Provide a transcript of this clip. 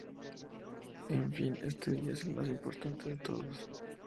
En fin este día es el más importante de todos.